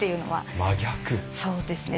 そうですね。